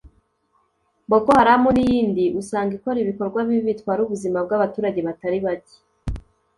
Boko Haram n’iyindi usanga ikora ibikorwa bibi bitwara ubuzima bw’abaturage batari bake